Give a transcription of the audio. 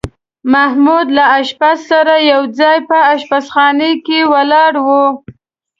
محمود له اشپز سره یو ځای په اشپزخانه کې ولاړ و.